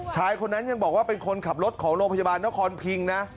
ชายคนนั้นยังบอกว่าเป็นคนขับรถของโรงพยาบาลนครพิงนะ